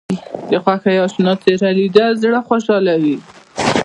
د خوښۍ اشنا څېره لیدل زړه خوشحالوي